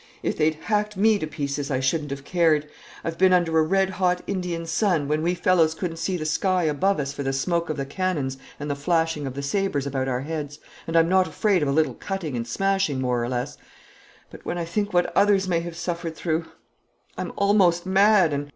If they'd hacked me to pieces, I shouldn't have cared. I've been under a red hot Indian sun, when we fellows couldn't see the sky above us for the smoke of the cannons and the flashing of the sabres about our heads, and I'm not afraid of a little cutting and smashing more or less; but when I think what others may have suffered through I'm almost mad, and